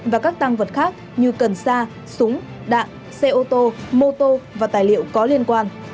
và các tăng vật khác như cần sa súng đạn xe ô tô mô tô và tài liệu có liên quan